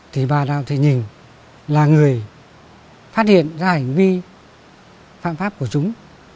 thì bà đào thị nhìn là người phát hiện ra hành vi phạm pháp của chúng